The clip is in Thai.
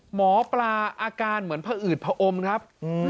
หมอปลาอาการเหมือนผอืดผอมครับ